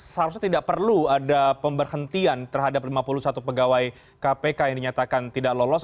seharusnya tidak perlu ada pemberhentian terhadap lima puluh satu pegawai kpk yang dinyatakan tidak lolos